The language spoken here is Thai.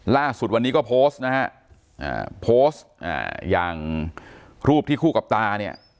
ล่าสุดวันนี้ก็โพสต์อย่างรูปที่คู่กับตา